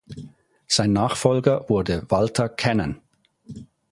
Sein Nachfolger wurde Walter Cannon.